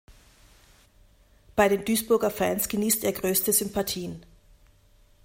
Bei den Duisburger Fans genießt er größte Sympathien.